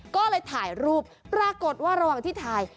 ก็เลยถ่ายรูปปรากฏว่าระหว่างที่ถ่าย